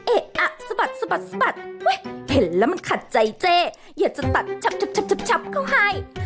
เอ๊ะอะสะบัดสะบัดสะบัดเห้ยเห็นแล้วมันขัดใจเจอย่าจะตัดชับชับชับชับชับเข้าให้